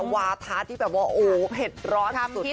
วาธาที่แบบว่าโอ้เผ็ดร้อนสุดค่ะ